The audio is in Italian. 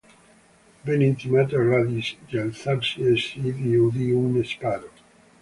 Venne intimato a Gladys di alzarsi e si udì uno sparo.